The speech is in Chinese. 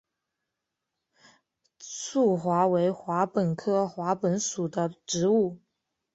坚桦为桦木科桦木属的植物。